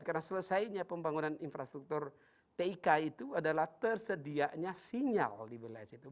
karena selesainya pembangunan infrastruktur tik itu adalah tersedianya sinyal di belakang situ